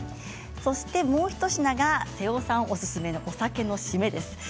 そして、もう一品が瀬尾さんおすすめのお酒の締めです。